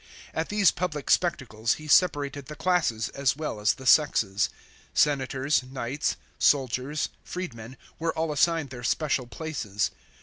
At these public spectacles he separated the classes as well as the sexes. Senators, knights, soldiers, freedmen were all assigned their special places.